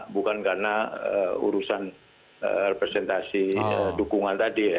bukan karena urusan representasi dukungan tadi ya